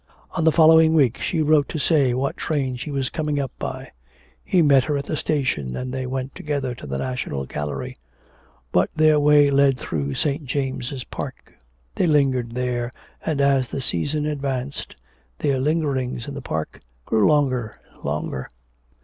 On the following week she wrote to say what train she was coming up by; he met her at the station, and they went together to the National Gallery. But their way led through St. James' Park; they lingered there, and, as the season advanced, their lingerings in the park grew longer and longer.